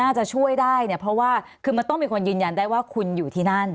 จะช่วยได้เนี่ยเพราะว่าคือมันต้องมีคนยืนยันได้ว่าคุณอยู่ที่นั่น